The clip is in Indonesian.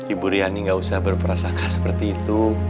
ibu riani nggak usah berperasakan seperti itu